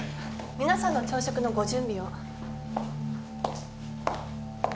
皆さんの朝食のご準備を。